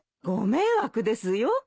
ご迷惑ですよ。